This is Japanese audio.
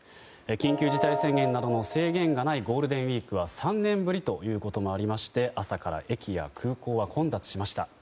緊急事態宣言などの制限がないゴールデンウィークは３年ぶりということもありまして朝から駅や空港は混雑しました。